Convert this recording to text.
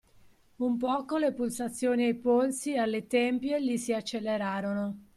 Un poco le pulsazioni ai polsi e alle tempie gli si accelerarono.